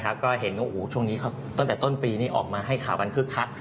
ก็เห็นว่าช่วงนี้ตั้งแต่ต้นปีนี้ออกมาให้ข่าวกันคึกคัก